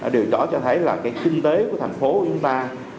điều đó cho thấy là cái kinh tế của thành phố của chúng ta